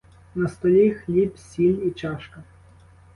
На столі — хліб, сіль і чашка.